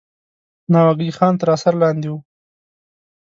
ناوګی خان تر اثر لاندې وو.